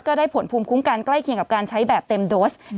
ได้ผลภูมิคุ้มกันใกล้เคียงกับการใช้แบบเต็มโดส